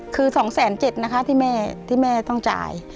คือสองแสนเจ็ดนะคะที่แม่ต้องจ่าย